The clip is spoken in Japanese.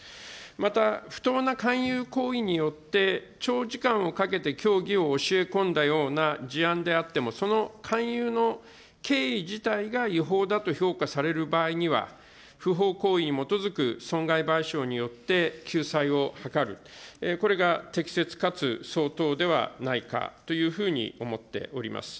また不当な勧誘行為によって、長時間をかけて教義を教え込んだような事案であっても、その勧誘の経緯自体が違法だと評価される場合には、不法行為に基づく損害賠償によって救済を図る、これが適切かつ相当ではないかというふうに思っております。